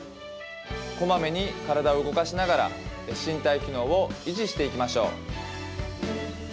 こまめに体を動かしながら身体機能を維持していきましょう。